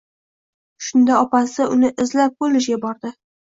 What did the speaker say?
Shunda opasi uni izlab kollejga bordi.